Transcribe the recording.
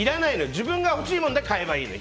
自分がほしいものだけ買えばいいのよ。